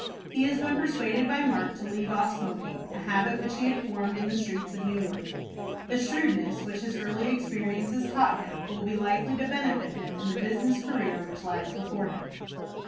He has been persuaded by Mark to leave off smoking, a habit which he had formed in the streets of New York. The shrewdness which his early experiences taught him will be likely to benefit him in the business career which lies before him.